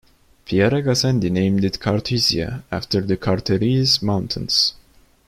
Pierre Gassendi named it Carthusia after the Chartreuse Mountains.